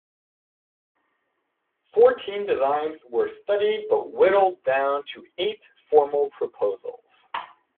Fourteen designs were studied, but whittled down to eight formal proposals.